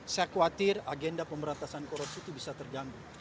saya khawatir agenda pemberantasan korupsi itu bisa terganggu